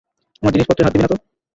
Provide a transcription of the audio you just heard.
আমার জিনিসপত্রে হাত দিবা নাতো।